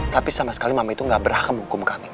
tapi sama sekali mama itu gak berah kemukum kami